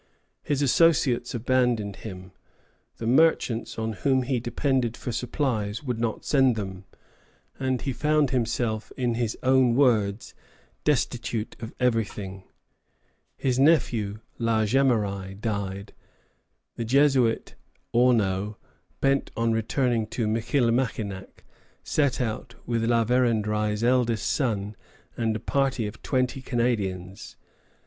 His associates abandoned him; the merchants on whom he depended for supplies would not send them, and he found himself, in his own words "destitute of everything." His nephew, La Jemeraye, died. The Jesuit Auneau, bent on returning to Michillimackinac, set out with La Vérendrye's eldest son and a party of twenty Canadians.